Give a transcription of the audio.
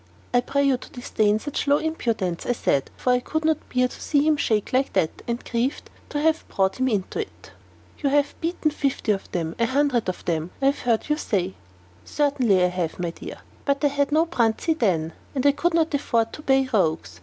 "I pray you to disdain such low impudence," I said, for I could not bear to see him shake like that, and grieved to have brought him into it. "You have beaten fifty of them a hundred of them I have heard you say." "Certainly I have, my dear; but I had no Bruntsea then, and could not afford to pay the rogues.